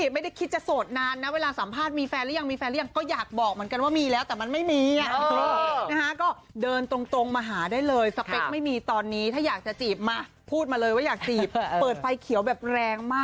ไม่ว่างมาส่งที่ฝั่งนี้กันดีกว่านะคะนี่เลยค่ะน้องสาวด้วยฉันอืม